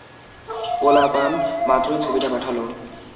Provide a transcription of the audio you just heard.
পোলাপান মাত্রই ছবিটা পাঠালো।